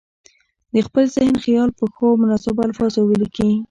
د خپل ذهن خیال په ښو او مناسبو الفاظو ولیکي.